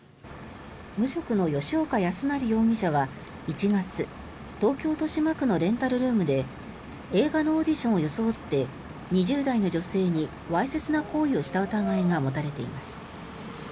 無職の吉岡康成容疑者は１月東京・豊島区のレンタルルームで映画のオーディションを装って２０代の女性にわいせつな行為をした疑いが持たれています。